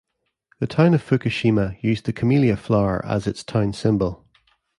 The town of Fukushima used the Camellia flower as its town symbol.